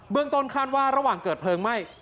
ต้นคาดว่าระหว่างเกิดเพลิงไหม้